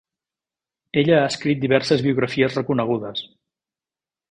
Ella ha escrit diverses biografies reconegudes.